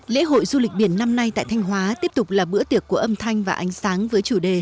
lễ hội du lịch biển năm nay tại thanh hóa tiếp tục là bữa tiệc của âm thanh và ánh sáng với chủ đề